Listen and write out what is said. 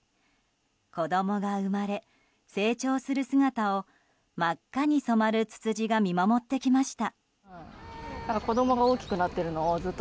子供が生まれ、成長する姿を真っ赤に染まるツツジが見守ってきました。